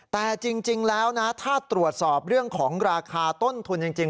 แต่จริงแล้วนะถ้าตรวจสอบเรื่องของราคาต้นทุนจริง